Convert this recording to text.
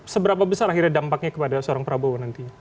seberapa besar akhirnya dampaknya kepada seorang prabowo nantinya